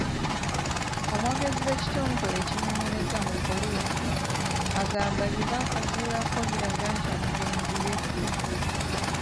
Omwogezi w’ekitongole ekinoonyereza mu poliisi agamba bye baakazuulako biraga nti omugenzi yesse.